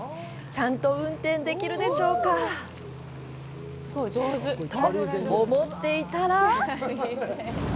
ちゃんと運転できるでしょうか？と、思っていたら！